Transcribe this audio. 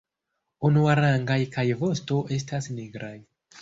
Unuarangaj kaj vosto estas nigraj.